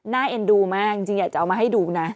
เอ็นดูมากจริงอยากจะเอามาให้ดูนะ